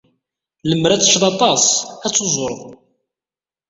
Lemmer ad tecced aṭas, ad tuzured.